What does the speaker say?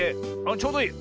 ちょうどいい。